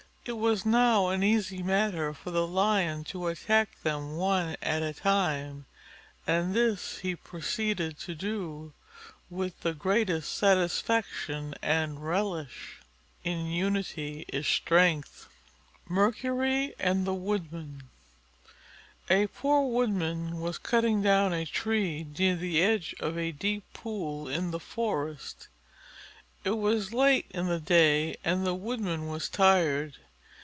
It was now an easy matter for the Lion to attack them one at a time, and this he proceeded to do with the greatest satisfaction and relish. In unity is strength. MERCURY AND THE WOODMAN A poor Woodman was cutting down a tree near the edge of a deep pool in the forest. It was late in the day and the Woodman was tired.